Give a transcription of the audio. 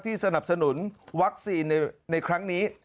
สนับสนุนวัคซีนในครั้งนี้